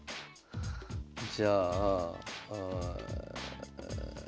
じゃあえ。